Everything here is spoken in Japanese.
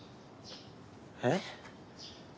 えっ？